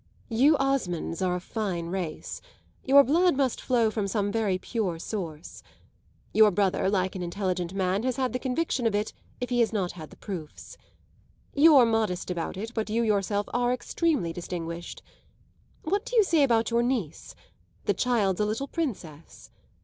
"You Osmonds are a fine race your blood must flow from some very pure source. Your brother, like an intelligent man, has had the conviction of it if he has not had the proofs. You're modest about it, but you yourself are extremely distinguished. What do you say about your niece? The child's a little princess.